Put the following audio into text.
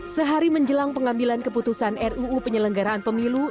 sehari menjelang pengambilan keputusan ruu penyelenggaraan pemilu